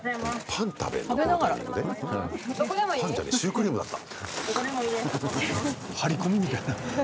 パンじゃねえシュークリームだった。